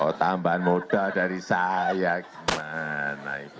oh tambahan modal dari saya gimana